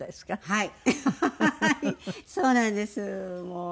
はい。